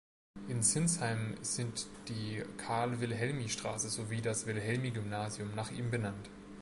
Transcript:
In Sinsheim sind die "Karl-Wilhelmi-Straße" sowie das "Wilhelmi-Gymnasium" nach ihm benannt.